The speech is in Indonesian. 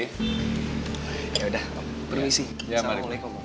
ya udah om permisi assalamualaikum om